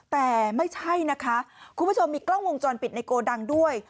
แต่ไม่ใช่นะคะคุณผู้ชมมีกล้องวงจรปิดในโกดังด้วย